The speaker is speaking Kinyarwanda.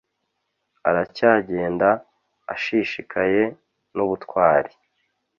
aracyagenda, ashishikaye n'ubutwari